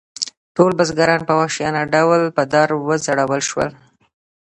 ټول بزګران په وحشیانه ډول په دار وځړول شول.